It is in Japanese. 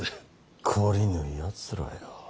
懲りぬやつらよ。